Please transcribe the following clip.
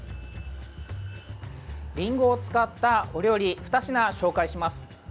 りんごを使ったお料理２品紹介します。